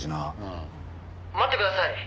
「待ってください！」